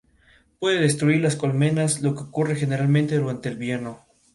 En esta zona se registra una mayor radiación que en otros sectores.